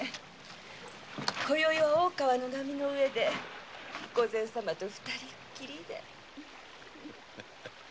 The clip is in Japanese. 今宵は大川の波の上で御前様と二人きりで。